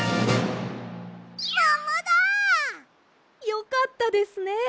よかったですね。